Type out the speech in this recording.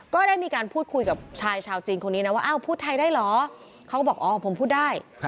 ก็ได้มีการพูดคุยกับชายชาวจีนคนนี้นะว่าอ้าวพูดไทยได้เหรอเขาก็บอกอ๋อผมพูดได้